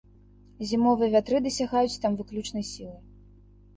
Зімовыя вятры дасягаюць там выключнай сілы.